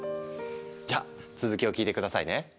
じゃ続きを聞いて下さいね！